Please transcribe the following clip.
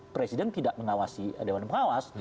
presiden tidak mengawasi dewan pengawas